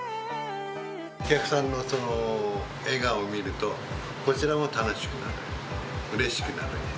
お客さんの笑顔を見ると、こちらも楽しくなる、うれしくなる。